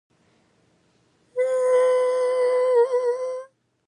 Soon afterwards he learns that this second girl, Thomasina Tuckerton, has died.